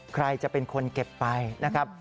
ใครจะเป็นคนเก็บไปนะครับ